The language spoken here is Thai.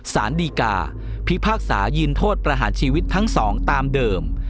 สารดีกาพิพากษายืนโทษประหารชีวิตทั้งสองตามเดิม